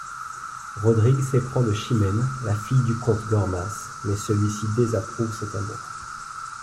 Rodrigue s'éprend de Chimène, la fille du comte Gormas, mais celui-ci désapprouve cet amour.